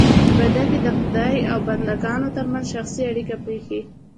عبادت یې د خدای او بندګانو ترمنځ شخصي اړیکه پرېښی.